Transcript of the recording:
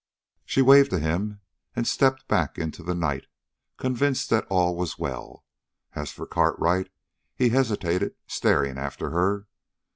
She waved to him and stepped back into the night, convinced that all was well. As for Cartwright, he hesitated, staring after her.